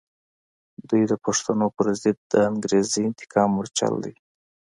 دوی د پښتنو پر ضد د انګریزي انتقام مورچل دی.